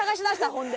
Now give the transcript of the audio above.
ほんで。